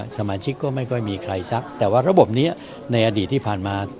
สมาชิกก็ไม่ค่อยมีใครซักแต่ว่าระบบนี้ในอดีตที่ผ่านมา